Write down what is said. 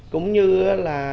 cũng như là